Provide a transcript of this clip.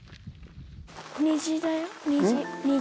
虹だよ、虹、虹。